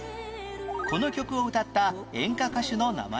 この曲を歌った演歌歌手の名前は？